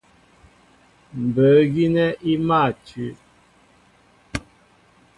Mbə̌ gínɛ́ í mâ tʉ́.